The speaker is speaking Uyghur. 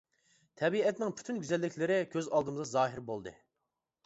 تەبىئەتنىڭ پۈتۈن گۈزەللىكلىرى كۆز ئالدىمدا زاھىر بولدى.